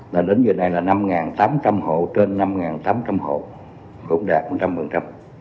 là đến giờ này là năm tám trăm linh hộ trên năm tám trăm linh hộ cũng đạt một trăm linh